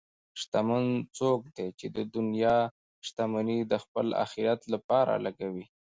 شتمن څوک دی چې د دنیا شتمني د خپل آخرت لپاره لګوي.